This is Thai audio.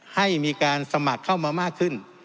ให้มีการสมัครเข้ามามากขึ้น